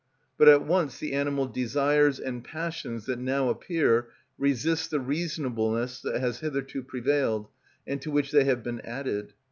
But at once the animal desires and passions that now appear resist the reasonableness that has hitherto prevailed and to which they have been added.